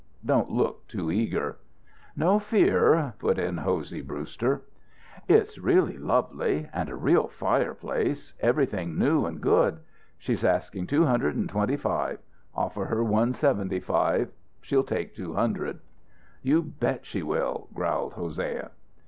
Don't look too eager." "No fear," put in Hosey Brewster. "It's really lovely. And a real fireplace. Everything new and good. She's asking two hundred and twenty five. Offer her one seventy five. She'll take two hundred" "You bet she will," growled Hosea.